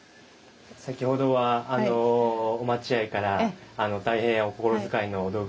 先ほどはお待合から大変お心遣いのお道具